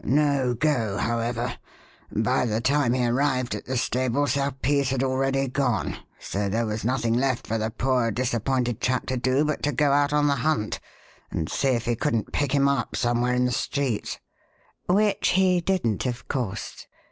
No go, however. By the time he arrived at the stable Serpice had already gone; so there was nothing left for the poor disappointed chap to do but to go out on the hunt and see if he couldn't pick him up somewhere in the streets." "Which he didn't, of course?"